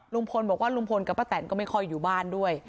ลุงพลบอกว่าลุงพลกับป้าแตนก็ไม่ค่อยอยู่บ้านด้วย